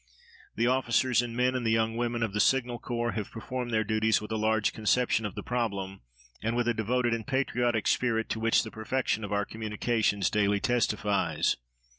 The officers and men and the young women of the Signal Corps have performed their duties with a large conception of the problem, and with a devoted and patriotic spirit to which the perfection of our communications daily testifies.